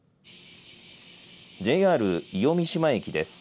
ＪＲ伊予三島駅です。